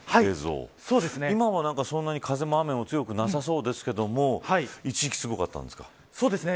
今は、そんなに風も雨も強くなさそうですけど一時期すごかったんですか。